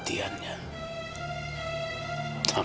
dia ke nagam